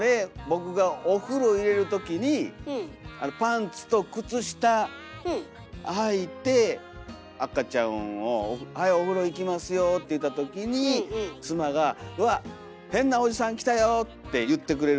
僕がお風呂入れるときにパンツと靴下はいて赤ちゃんを「はいお風呂行きますよ」って言うたときに妻が「うわっ変なおじさん来たよ」って言ってくれるときが僕は幸せです。